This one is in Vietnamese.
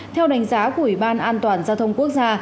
theo đánh giá của ủy ban an toàn giao thông quốc gia